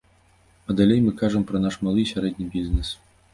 А далей мы кажам пра наш малы і сярэдні бізнэс.